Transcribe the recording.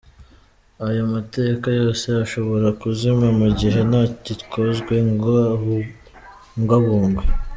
Ayo mateka yose, ashobora kuzima mu gihe nta gikozwe ngo abungwabungwe.